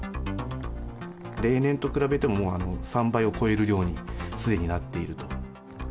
例年と比べても、３倍を超える量にすでになっていると。